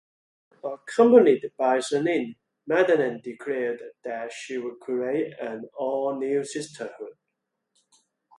Accompanied by Selene, Madelyne declared that she would create an all new Sisterhood.